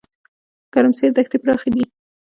ګرمسیر دښتې پراخې دي؟